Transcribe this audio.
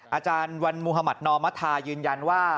อาจารย์วันมุธมัธนอมธายืนยันว่า